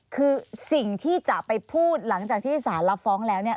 คือสิ่งที่จะไปพูดหลังจากที่สารรับฟ้องแล้วเนี่ย